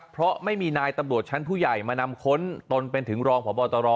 เพราะไม่มีนายตำรวจชั้นผู้ใหญ่มานำค้นตนเป็นถึงรองพบตร